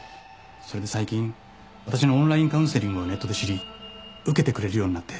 それで最近私のオンラインカウンセリングをネットで知り受けてくれるようになって。